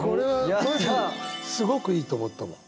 すごくいいと思ったもん。